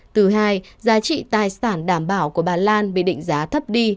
thứ hai giá trị tài sản đảm bảo của bà lan bị định giá thấp đi